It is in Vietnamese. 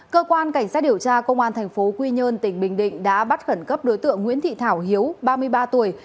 cơ quan cảnh sát điều tra công an thành phố quy nhơn tỉnh bình định đã bắt khẩn cấp đối tượng nguyễn thị thảo hiếu ba mươi ba tuổi